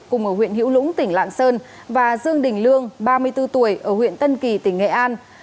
cùng ở huyện hiểu lũng tỉnh lạng sơn và dương đình lương ba mươi bốn tuổi ở huyện tân kỳ tỉnh nghệ an